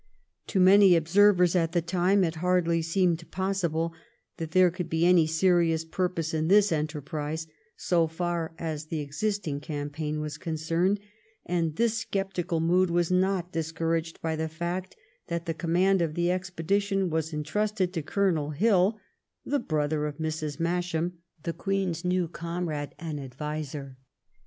To many observers at the time, it hardly seemed possible that there could be any serious purpose in this enter prise so far as the existing campaign was concerned, and this sceptical mood was not discouraged by the fact that the command of the expedition was entrusted to Colonel Hill, the brother of Mrs. Masham, the Queen's new comrade and adviser.